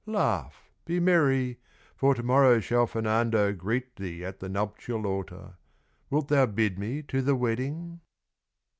Laugh, be merry, For to morrow shall Fernando Greet thee at the nuptial altar. Wilt thou bid me to the wedding?"